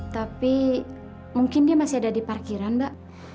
tapi mungkin dia masih ada di parkiran mbak